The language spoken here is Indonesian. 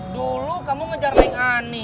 dulu kamu ngejar main ani